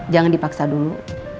jangan dipaksa dulu